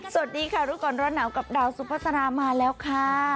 สวัสดีค่ะรู้ก่อนร้อนหนาวกับดาวสุภาษามาแล้วค่ะ